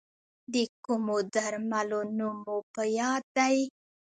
د کومو درملو نوم مو په یاد دی؟